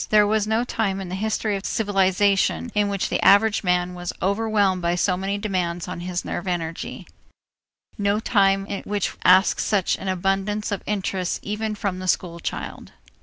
There was no time in the history of civilization in which the average man was overwhelmed by so many demands on his nerve energy, no time which asked such an abundance of interests even from the school child.